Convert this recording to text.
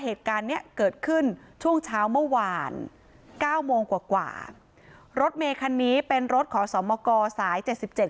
เหตุการณ์เนี้ยเกิดขึ้นช่วงเช้าเมื่อวานเก้าโมงกว่ากว่ารถเมคันนี้เป็นรถขอสมกสายเจ็ดสิบเจ็ด